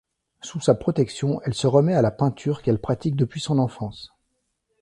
Sous sa protection elle se remet à la peinture qu'elle pratique depuis son enfance.